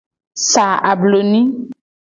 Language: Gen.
Sa abloni.